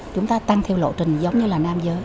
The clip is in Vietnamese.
chúng ta tăng theo lộ trình giống như là nam giới